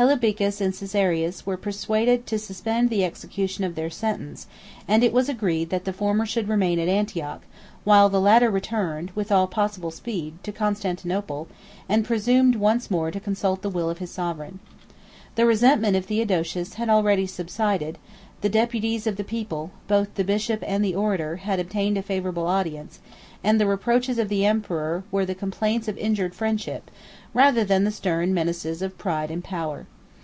89 Hellebicus and Caesarius were persuaded to suspend the execution of their sentence; and it was agreed that the former should remain at Antioch, while the latter returned, with all possible speed, to Constantinople; and presumed once more to consult the will of his sovereign. The resentment of Theodosius had already subsided; the deputies of the people, both the bishop and the orator, had obtained a favorable audience; and the reproaches of the emperor were the complaints of injured friendship, rather than the stern menaces of pride and power.